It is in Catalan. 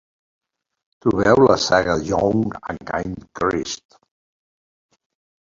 Trobeu la saga de Youth Against Christ.